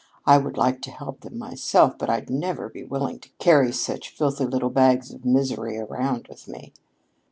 I would like to help them myself, but I'd never be willing to carry such filthy little bags of misery around with me."